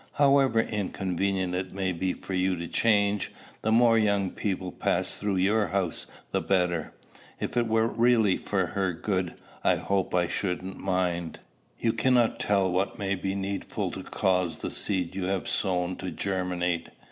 However inconvenient it may be for you to change, the more young people pass through your house the better." "If it were really for her good, I hope I shouldn't mind." "You cannot tell what may be needful to cause the seed you have sown to germinate.